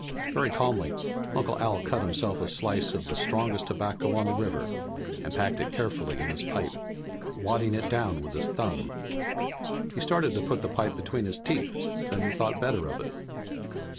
Very calmly Uncle Al cut himself a slice of the strongest tobacco on the river and packed it carefully in his pipe, wadding it down with his thumb. He started to put the pipe between his teeth, then thought better of it.